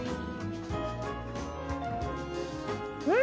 うん！